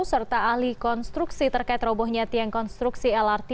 serta ahli konstruksi terkait robohnya tiang konstruksi lrt